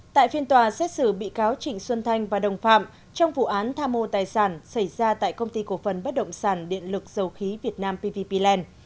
tại phiên tòa xét xử bị cáo trịnh xuân thanh và đồng phạm trong vụ án tha mô tài sản xảy ra tại công ty cổ phần bất động sản điện lực dầu khí việt nam pvp land